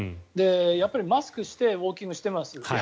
やっぱりマスクしてウォーキングしてますよ。